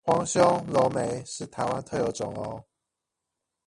黃胸藪眉是臺灣特有種喔！